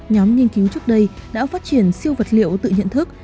nhóm nghiên cứu trước đây đã phát triển siêu vật liệu tự nhận thức